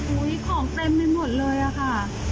ของเต็มไปหมดเลยอะค่ะ